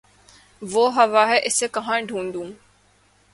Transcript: وہ ہوا ہے اسے کہاں ڈھونڈوں